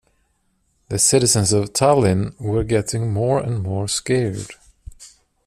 The citizens of Tallinn were getting more and more scared.